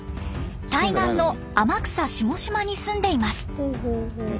対岸の天草下島に住んでいます。